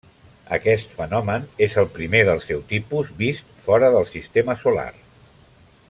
Aquest fenomen és el primer del seu tipus vist fora del Sistema solar.